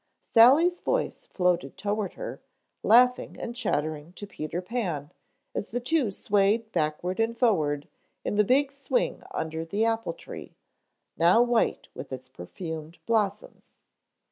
Sally's voice floated toward her, laughing and chattering to Peter Pan as the two swayed backward and forward in the big swing under the apple tree, now white with its perfumed blossoms.